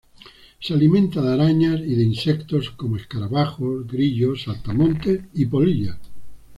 Se alimenta de arañas y de insectos como escarabajos, grillos, saltamontes y polillas.